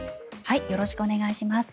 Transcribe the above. よろしくお願いします。